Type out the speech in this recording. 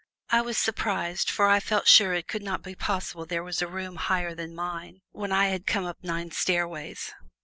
I was surprised, for I felt sure it could not be possible there was a room higher than mine when I had come up nine stairways!